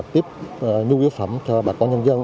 tiếp nhu yếu phẩm cho bà con nhân dân